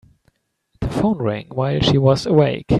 The phone rang while she was awake.